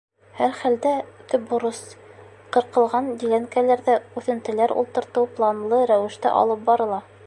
Һәр хәлдә, төп бурыс — ҡырҡылған диләнкәләрҙә үҫентеләр ултыртыу планлы рәүештә алып барыла.